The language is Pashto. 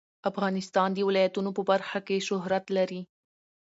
افغانستان د ولایتونو په برخه کې شهرت لري.